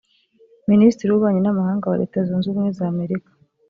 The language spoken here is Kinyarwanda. Minisitiri w’ububanyi n’amahanga wa Leta Zunze Ubumwe za Amerika